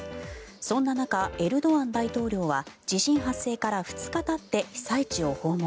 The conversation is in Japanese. そんな中、エルドアン大統領は地震発生から２日たって被災地を訪問。